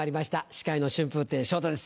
司会の春風亭昇太です